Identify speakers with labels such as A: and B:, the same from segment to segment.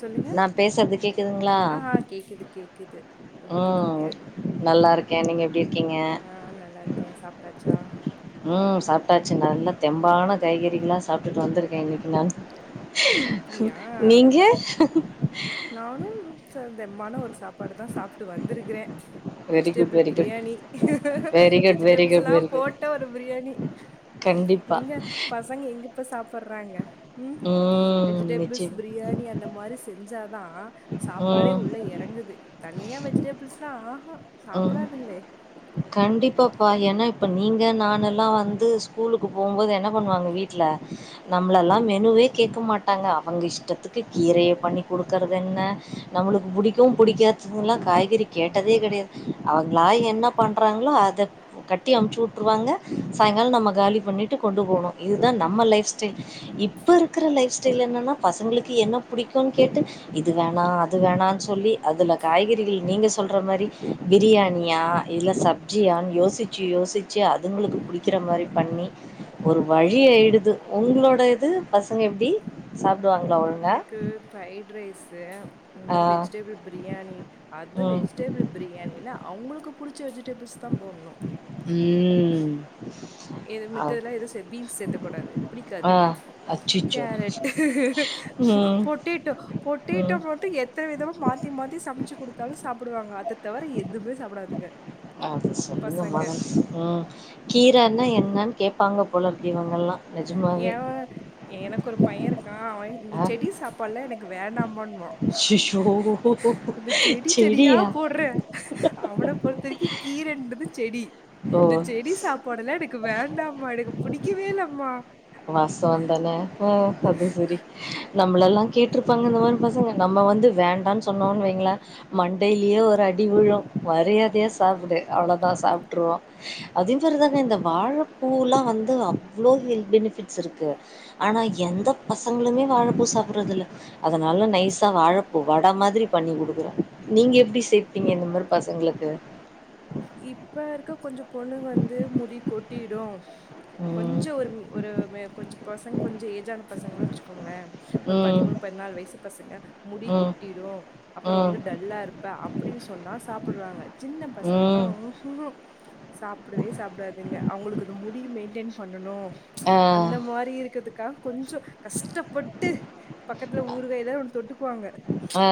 A: சொல்லுங்க ஆஹ்ஹ் கேக்குது கேக்குது
B: உம் நல்லா இருக்கே நீங்க எப்டி இருக்கீங்க உம் சாப்ட்டாச்சு நல்ல தெம்பான காய்கறிகல்லா சாப்ட்டுட்டு வந்திருக்கே இன்னைக்கு நானு நீங்க
A: தெம்பான ஒரு சாப்பாடு தா சாப்ட்டு வந்திருக்கற வெஜிடபிள் பிரியாணி வெஜிடபிள்ஸ்ல்லா போட்ட ஒரு பிரியாணி எங்க பசங்க எங்க இப்ப சாப்பட்றாங்க உம் வெஜிடபிள்ஸ் பிரியாணி அந்த மாரி செஞ்சாதா சாப்பாடே உள்ள எறங்குது தனியா வெஜிடபிள்ஸ்லா ஆஹா
B: உம் கண்டிப்பா பா ஏன்னா இப்ப நீங்க நானெல்லா வந்து ஸ்கூலுக்கு போம்போது என்ன பண்ணுவாங்க வீட்ல நம்ளெல்லா மெனுவே கேக்க மாட்டாங்க அவங்க இஷ்டத்துக்கு கீரய பண்ணி குடுக்கறதென்ன நம்முளுக்கு புடிக் க்யு புடிக்காதுங்லா காய்கறி கேட்டதே கடையாத் அவங்ளா என்ன பண்றாங்ளோ அத கட்டி அம்ச்சு உட்ருவாங்க சாய்ங்கால நம்ம காலிப பண்ணிட்டு கொண்டு போணு இதுதா நம்ம லைஃப் ஸ்டைல் இப்ப இருக்குற லைஃப் ஸ்டைல் என்னனா பசங்ளுக்கு என்ன புடிக்கு கேட்டு இது வேணா அது வேணான் சொல்லி அதுல காய்கறிகள் நீங்க சொல்ற மாரி பிரியாணியா இல்ல சப்ஜியான் யோசிச்சு யோசிச்சு அதுங்ளுக்கு புடிக்கிற மாரி பண்ணி ஒரு வழி அய்டுது ஒங்ளோட இது பசங்க எப்டி சாப்டுவாங்ளா ஒழுங்கா
A: ம் ஃப்ரைட் ரைஸு ன் மேரி வெஜிடேபிள் பிரியாணி அது வெஜ் டபிள் பிரியாணில அவுங்களுக்கு புடிச்ச வெஜ்ட் டெபிஸ் தா போட்ணு எது மித்தததுலா எதுவு சேத் பீன்ஸ் சேத்துக் கூடாது பிடிக்காது கேரட் பொட்டேட்டோ பொட்டேட்டோ நொட்டு எத்தன விதமா மாத்தி மாத்தி சம்ச்சு குடுத்தாலு சாப்புட் துவாங்க அத தவர எதும்மே சாப்புடாது
B: அத சொல்லுங்க மாக ம் கீரானா என்னன் கேப்பாங்க போலர்க்கு இவங்கல்லா
A: ஏவ எனக் ஒரு பையருக்கா அவ இந்த செடி சாப்பாட்லா எனக்கு வேணாம்மான் இந்த செடி செடியா போட் அவன பொறுத்தரக்கி கீரென்டுது செடி த செடி சாப்பாடல்லா எனக்கு வேண்டாமா எனக்கு புடிக்கவேல்ல
B: வாஸ்த்தவந்தன கது சுரி நம்பல்லா கேட்ருப்பாங்க இந்த மாரு பசங்க நம்ம வந்து வேண்டான் சொன்னோன் வைங்ள மண்டைல்யே ஒர் ரடி உழு மரியாத்யா சாப்புடு அவுளோ தா சாப்ட்டுருவோ அது இம்சர்ரு தான இந்த வாழ பூலா வந்து அவ்ளோ ஹெல் பெனிபிட்ஸ் இருக்கு ஆனா எந்த பசங்ளுமே வாழ பபூ சாப்புற்றதுல்ல அதனால நைசா வாழப்பூ வட மாதுரி பண்ணி குடுக்குற நீங்க எப்டி சேவ்
A: இப்ப இருக்க கொஞ்ச பொண்ணுங் வந்து முடி கொட் டிடு கொஞ்ச ஒரு ஒரு வெ கொஞ் பசங் கொஞ்ச ஏஜான பசங்கனு வச்சுக்கோங்க ஒரு பதிமூணு பதினாலு வய்சு பசங்க முடி கொட் யு அப்பற வந்து டல்லா இருப்ப அப்புடினு சொன்னா சாப்புற்றாங்க சின்ன பசங்கல்லா ஊ ஹு ஹு சாப்டுவே சாப்டாதுங்க அவுங்குளுக்குது முடி மெயின்டென் பண்ணுனு அந்த மாரி இருக்கதுக்காகொஞ்சொ கஸ்ட்ட பொட்டு பக்கத்ல ஊறுகா ஏதோ ஒன்னு தொட்டுக்குவாங்க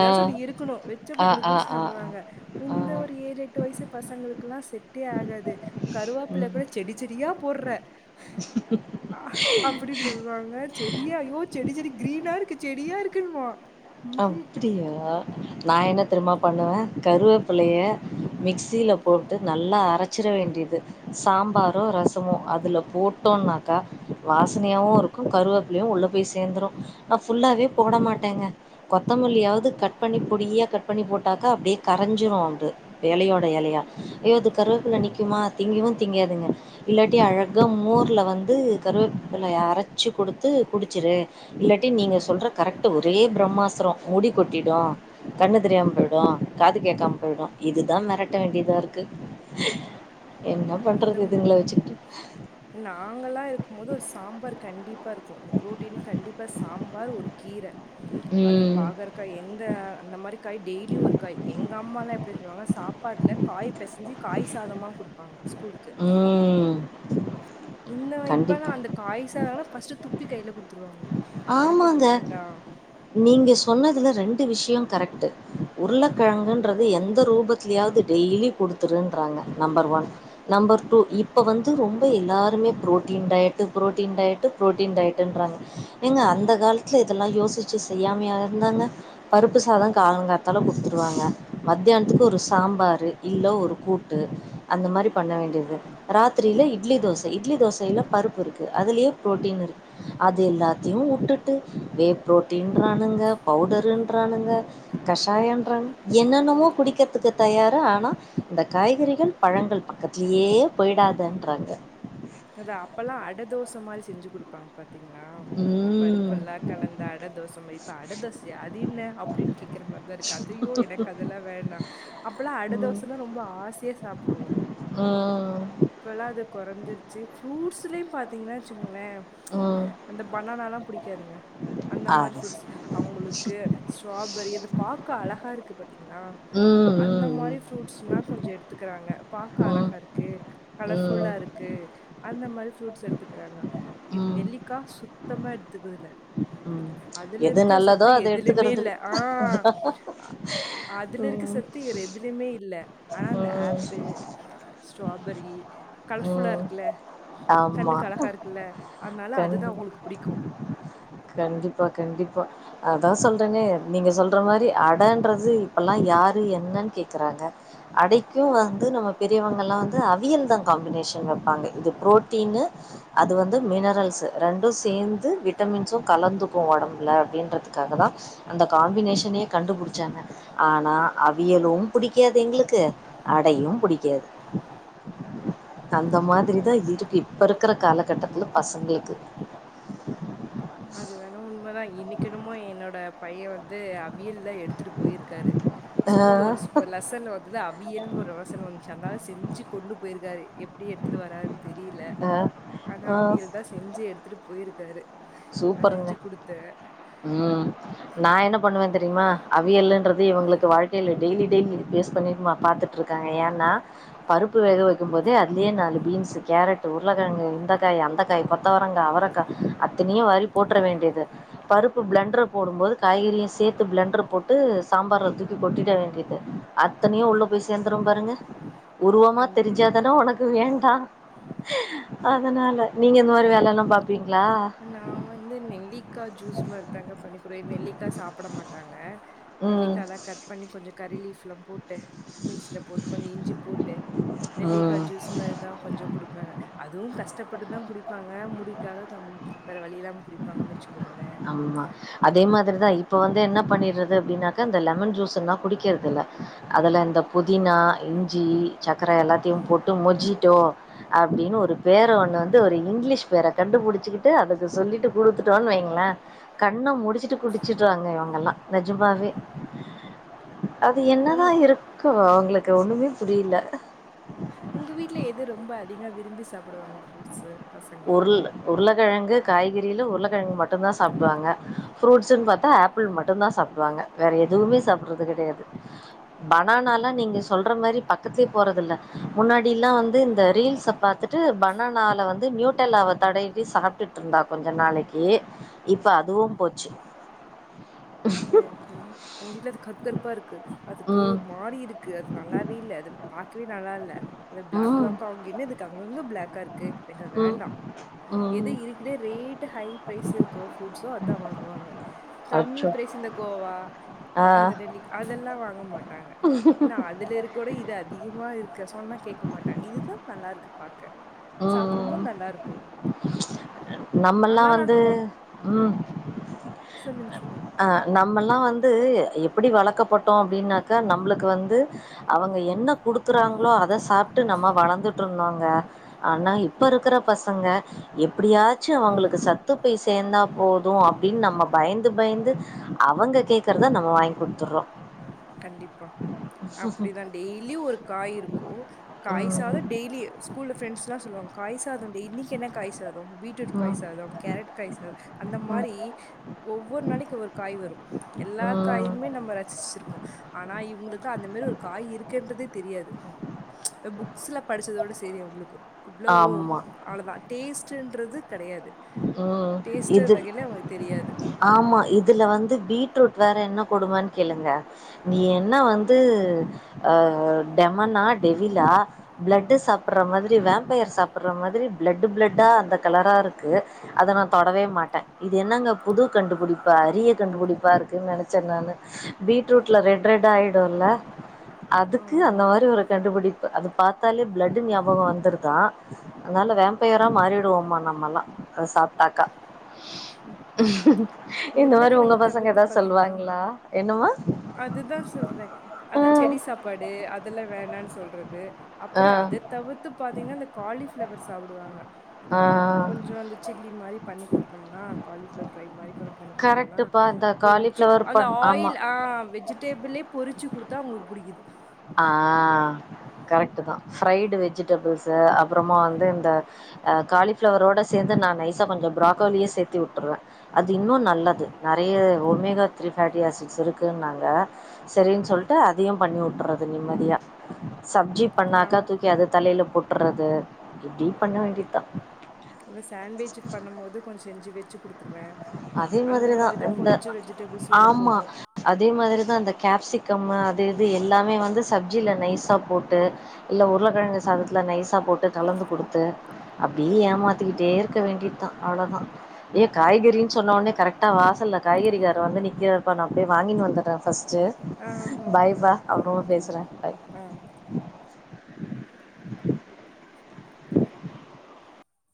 A: ஏதாச் ஒன்னு இருக்குணு வெச் அப்டே கிடு கிடு சாப்டுவாங்க இந்த ஒரு ஏலெட் டுவய்சு பசங்ளுக்குலா செட்டே ஆகாது கருவாப்பள்ள கூட செடி செடியா போற்ற அ அப்புடின் சொல்வாங்க செடியா யோ செடி செடி க்ரீனா இருக்கு செடியா இருக்குன்வா
B: டியா நா என்ன திருமா பண்ணுவ கருவேப்புளய மிக்சீல போட்டு நல் ல்லா அரச்சிற வேண்டிது சாம்பாரோ ரசமோ அதுல போட்டோன்னாக்கா வாசன் நியாவு இருக்கு கருவேப்ளியு உள்ள போய் சேந்துரு ஃபுல்லாவே போட மாட்டேங்க கொத்தமல்லியாவுத் கட் பண்ணி பொடியா கட் பண்ணி போட்டாக்கா அப்டே கரஞ்சிரு அது எலயோட எலையா யோது க கருவேப்பில நிக்குமா திங்கிவு திங்காதுங்க இல்லாட்டி அழக மோர்ல வந்து கருவேப்பிலயா அரச்சு குடுத்து குடுச்சுரு இல்லட்டி நீங்க சொல்ற கரெக்டு ஒரே பிரம்மாஸ்துரொ முடி கொட்டி டோ கண்ணு தெரியாம் பொயிடு காது கேக்காம் பொய்டு இதுதா மெரட்ட வேண்டியதாருக்கு என்ன பண்றது இதுங்ள வெச்சுகுட்டு
A: நாங்கல்லா இருக்குமோது ஒரு சாம்பார் கண்டிப்பா இருக்கு ப்ரோட்டீன் கண்டிப்பா சாம்பார் ஒரு கீர
B: ம்
A: க எந்த அந்த மாரி கய் டெய்லி ஒரு காய் எங்க அம்மாலா எப்டி வச்ருவாங்க சாப்பாட்ல காய் பெசுஞ்சி காய் சாதமா குடுப்பாங்க
B: ம்
A: இந்தவ இப்பெல்லா அந்த காய் சாதங்கனா ஃபஸ்டு துப்பி கையில குடுத்துருவாங்க
B: ஆமாங்க நீங்க சொன்னதுல ரெண்டு விஷியோ கரெக் டு உருளக்கெழங்குன்றது எந்த ரூபத்லியாவது டெய்லி கொடுத்துருன்றாங்க நம்பர் ஒன் நம்பர் டூ இப்ப வந்து ரொம்போ எல்லாருமே protein diet protein diet protein diet டுன்றாங்க ஏங்க அந்த காலத்துல இதெல்லா யோசிச்சி செய்யாமையா ருந்தாங்க பருப்பு சாதோ காலங்காத்தால குட்த்துருவாங்க மத்யானத்துக்கு ஒரு சாம்பாரு இல்ல ஒரு கூட்டு அந்த மாரி பண்ண வேண்டியது ராத்திரியில இட்லி தோசை இட்லி தோசையில பருப்பு இருக்கு அதுலயே ப்ரோட்டீன் இருக்கு அது எல்லா தியு வுட்டுட்டு வே பு்ரோட்டீன்றானுங்க பவுடர்ன்றானுங் க கஷாயான்றாங்க என்னென்னமோ குடிக்கர்துக்கு தயாரு ஆனா இந்த காய்கறிகள் பழங்கள் பக்கத்திலியே போய்டாதன்றாங்க
A: அதா அப்பல்லா அடதோச மாரி செஞ்சி குடுப்பாங்க பாத் திங்ளா இந்த பருப்பெல்லா கலந்து அட தோச மாரி இப்ப அட தோசையா அது என்ன அப் கேக்குற மார்தா இருக்கு அதையோ எனக்கு அதெல்லா வேண்டா அப்பெல்லா அட தோசனா ரொம்ப ஆசையா சாப்டுவோ இப்பெல்லா அது கொறஞ்சிருச்சி ஃப்ரூ ஃப்ரூட்ஸ்லயு பாத்தீங்னா வச்சு கோங்களே அந்த பனானாலா புடிக் கேதுங்க அந்த மாரி ஃப்ரூட்ஸ் அவுங்களுக்கு ஸ்ட்ராபெர்ரி அத பாக்க அழகா இருக்கு திங்ளா அந்த மாரி ஃப்ரூட்ஸ்னா கொஞ்சோ எடுத்துக்றாங்க பாக்க அழகா இருக்கு கலர் ஃபுல்லாருக்கு அந்த மாரி ஃப்ரூட்ஸ் எடுத்துக்றாங்க இது நெல்லிக்கா சுத்தமா எடுத்துக்றதில்ல அதுல இருக்க சத்து எதிலுமே இல்ல ஆ அ அதுல இருக்க சத்து வேற எதுலியுமே இல்ல ஆனா இந்த ஆப்பிள் ஸ்ட்ராபெர்ரி கலர் ஃபுல்லா இருக்குல கண்ணுக்கு அழகா இருக்குல்ல அத்னால அதுதா அவுங்களுக்கு புடிக்கு
B: கண்டிப்பா கண்டிப் பா அதா சொல்றேனே நீங்க சொல்ற மாரி அடன்றது இப்பெல்லா யாரு என்னன் கேக்றா ங்க அடைக்கு வந்து நம்ம பெரியவங்கெல்லா வந்து அவியல் தா காம்பினேஷன் வெப்பாங்க இது புரோட்டீனு அது வந்து மினரல்ஸு ரெண்டு சேந்து விட்டமின்ஸோ கலந்துக்கு ஒடம்ல அப்டின்றதுக்காக தா அந்த காம்பினேஷனே கண்டு புடிச்சாங்க ஆனா அவியலு புடிக்காது எங்ளுக்கு அடையு புடிக்காது அந்த மாதிரிதா இருக்கு இப்பருக்குற கால கட்டத்துல பசங்களுக்கு
A: அது வேனா உண்மதா இன்னிக் என்னமோ என்னோட பைய வந்து அ வியல்லா எடுத்துட்டு போயிர்க்காரு ஸ்கூல் ஒரு லெசன்ல வந்தது அவியல்னு ஒரு வசனோ வந்துச்சு அந்தா அ செஞ்சி கொண்டு போய்ருக்காரு எப்டி எடுத்துட்டு வராருன் தெரியில ஆனா அவியல் தா செஞ்சி எடுத்துட்டு போயிருக்
B: சூப்பருங்க ம் நா என்ன பண்ணுவே தெரியுமா அவியல்லுன்ற து இவுங்களுக்கு வாழ்க்கையில டெய்லி டெய்லி இது பேஸ் பண்ணி ம பாத்துட்ருக்காங்க ஏனா பருப்பு வேக வைக்கு போ போதே அதுலேயே நாலு பீன்ஸு கேரட்டு உருளக்கெழங்கு இந்த காய் அந்தக்காய் கொத்தவரங்கா அவரக்கா அத்தனையு வாரி போட்ற வேண்டியது பருப்பு பிளண்டர போடு போது காய்கறியு சேத்து பிளண்டர போட்டு சாம்பார துக்கி கொட்டிட வேண்டியது அத்தனையு உள்ள போய் சேந்துரு பாருங்க உருவமா தெரிஞ்சா தான உனக்கு வேண்டா அதனால நீங்க இந்த மாரி வேலெல்லா பாப்பீங்ளா
A: நா வந்து நெல்லிக்கா ஜூஸ் மாரி தாங்க பண்ணிக்குடு நெல்லிக்கா சாப்ட மாட்டாங்க நெ ல்லிக்காலா கட் பண்ணி கொஞ்சோ கறி லீஃப்லா போட்டு மிக்ஸில போட்டு கொஞ்சோ இஞ்சி போட்டு நெல்லிக்கா ஜூஸ் மாரிதா கொஞ்சோ குடுப்பே அதுவு கஷ்டப்பட்டுதா குடிப்பாங்க முடி க்காக கம் வேற வழி இல்லாம குடிப்பாங்கன் வச்சுக்கோங்களே
B: இப்ப வந்து என்ன பண்ணிறது அப்டினாக்க இந்த லெமன் ஜூஸுனா குடிக்கிறதில்ல அதுல இந்த புதினா இஞ்சி சக்கர எல்லாத்தியு போட்டு மொஜிட்டோ ஆப்டின்னு ஒரு பேர ஒன்னு வந்து ஒரு இங்கி லிஷ் பேர கண்டுபுடிச்சி டு அதுக்கு சொல்லிட்டு குடுத்துட்டோன் வைங்களே கண்ண முடிச்சிட்டு குடிச்சிட்றாங்க இவங்கெல்லா நெஜமா வே அது என்னதா இருக்கோ அவுங்களுக்கு ஒன்னுமே புரியில
A: ட்லே எது ரொம்ப அதிகோ வி சாப்டுவாங்க ஃப்ரூட்ஸு பசங்க
B: உருளக்கெழங்கு காய்கறில உருளக்கெழங்கு மட்டுதா சாப்டுவாங்க ஃப்ரூட்ஸ்ன் பாத்தா ஆ பிள் மட்டு தா சாப்டுவாங்க வேற எதுவுமே சாப்பறது கெடையாது பனானால்லா நீங்க சொல்ற மாரி ப பிச்சி போறதில்ல முன்னாடில்லா வந்து இந்த ரீல்ஸ பாத்துட்டு பனானாலா வந்து நியூட் ல்ல அவ தடைவி சாப்ட்டுட்ருந்தா கொஞ்ச நாளைக்கி இப்ப அதுவு போச்சி
A: ஓகே ஓகே எங்க வீட்ல அது கற் கருப்பாருக்கு அதுக்கு ஒரு மாரி இருக்கு அது நல்லாவே இல்ல அது பாக்கவே நல்லா இல்ல அது பிளாக் பிளாக்கா அங்க என்னனுக்கு அங்கங்க பிளாக் கா இருக்கு எங்க வேண்டா எது இருக்கிதே ரேட்டு ஹை பிரைஸ் இருக்கோ ஃப்ரூட்ஸோ அதா வாங்வாங்க கம்மி பிரைஸ் இந்த கோவா அந்த நெல்லி அதெல்லா வாங்க மாட்டாங்க ஏனா அதுல இருக்க கூட இது அதிகமா இருக்க சொன்னா கேக் கேக்க மாட்டாங்க இதுதா நல்லாருக்கு சாப்டும்போ நல்லா இருக்கு
B: நம்மெல்லா வந்து ம்
A: சொல்லுங்க சொல்லுங்க
B: நம்மல்லா வந்து எ எப்டி வளக்க பட்டோ அப்டினாக்கா நம்புளுக்கு வந்து அவங்க என்ன குடுக் குறாங்ளோ அத சாப்ட்டு நம்ம வளந்துட்ருந்தோங்க ஆனா இப் ப்ப இருக்கற பசங்க எப்டியாச்சு அவுங்களுக்கு சத்துப்போய் சேந்தா போது அப்டின் நம்ம பயந்து பயந்து அவுங்க கேக்குறதா நம்ம வாங்கி குட்துறோ
A: அப்டிதா டெய்லி ஒரு காய் இருக்கு காய் சாதோ டெய்லி ஸ்கூல்ல ஃப்ரெண்ட்ஸ்லா சொல்லுவாங்க காய்சாதம் டி இன்னிக்கி என்ன காய் சாதம் பீட்ரூட் காய் சாதம் கேரட் காய் ச அந்த மாரி ஒவ்வொரு நாளிக்கி ஒரு காய் வரு எல்லா காயுமே நம்ம ரசிச்சிருக்கோ ஆனா இவுங்களுக்கு அந்த மேரி ஒரு காய் இருக்குன்றதே தெரியா து அ புக்ஸ்ல படிச்சதோட செரி அவுங்களுக்கு
B: ஆம்மா
A: அவ்ளதா டேஸ்ட்டுன்றது
B: ம் இது ஆமா இதுல வந்து பீட்ரூட் வேற என்ன கொடுமன் கேளுங்க நீ என்ன வந்து அ டெமனா டெவிலா பிளட்டு சாப் புற மாதிரி வேம்பயர் சாப்பிற மாதிரி பிளட் பிளட்டா அந்த கலராருக் கு அத நா தொடவே மாட்டே இது என்னங்க புது கண்டுபுடிப்பா அரிய கண்டுபுடிப்பா இருக்குன் நெனச்ச செர் நானு பீட்ரூட்ல ரெட் ரெட் ஆயிடுல்ல அதுக்கு அந்த மாரி ஒரு கண்டுபுடிப் பு அது பாத்தாலே பிளட்டு ஞாபகோ வந்துருதா அனால வேம்பயரா மாறிடுவோமா நம்மெல்லா அது சாப்டாக்கா இந்த மாரி உங்க பசங்க எதா சொல்வாங்களா என்னமா
A: அதுதா சொல்றே அதா செடி சாப்பாடு அதுலா வேணான் சொல்றது அப்புற அத தவுத்து பாத்தீங்னா இந்த காலிஃபிளவ்வர் சாப்டுவாங்க
B: ஆ ஆ
A: கொஞ்ச அந்த சில்லி மாரி பண்ணி குடுத்தம்னா காலிஃப்ளவர் ஃப்ரை மாரி கொஞ்ச பண்ணி குடுத்தோனா பொரி ச்சி அந்த ஆயில் அ வெஜிடேபிளே பொறிச்சி குடுத்தா அவுங்களுக்கு புடிக்குது
B: ஆ கரெக்டு தா ஃபிரைடு வெஜிடபிள்ஸு அப்புறமா வந்து இந்த அ காலிஃபிளவரோட சேந்து நா நைசா கொஞ்ச பிராக்கோலியே சேத்தி வுட்டுருவே அது இன்னு நல்லது நெறைய ஒமேகா திரீ றியா சிஸ் இருக்குனாங்க செரின் சொல்ட்டு அதையு பண்ணி வுட்டுற து நிம்மதியா சப்ஜி பண்ணாக்கா தூக்கி அத தலையில போட்டுற து இப்டி பண்ண வேண்டியதா
A: இல்ல சாண்ட்விஜ் பண்ணு போது கொஞ்ச செஞ்சி வெச்சி குடுத்துருவே
B: அதே மாதிரிதா இந்த ஆமா அதே மாதிரிதா இந்த கேப்சிக் கமு அது இது எல்லாமே வந்து சப்ஜியில நைஸா போட்டு இல்ல உருளக்கெழங்கு சாதத்ல நைஸா போ போட்டு கலந்து குடுத்து அப்டியே ஏமாத்திக்கிட்டே இருக்க வேண்டிய தா அவ்ளோதா ஏ காய்கறி சொன்னவோனே கரெக்டா வாசல்ல காய்கறி காரு வந்து நிக்கிறார்ப்பா நா அப்டியே வாங்கின் வந்துறே ஃபஸ்ட்டு
A: ஓகேப்பா ஓகே பாய் ஆ ஓகே